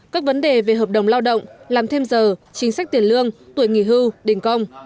các vấn đề về hợp đồng lao động làm thêm giờ chính sách tiền lương tuổi nghỉ hưu đình công